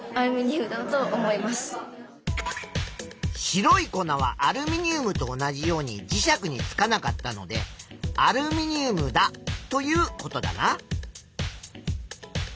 白い粉はアルミニウムと同じように磁石につかなかったのでアルミニウムだということだな。